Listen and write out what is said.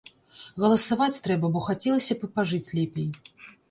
Галасаваць трэба, бо хацелася б і пажыць лепей.